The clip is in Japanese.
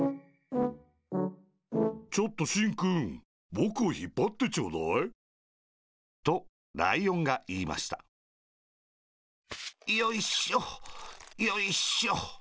ちょっとしんくんぼくをひっぱってちょうだい。とライオンがいいましたよいしょよいしょ。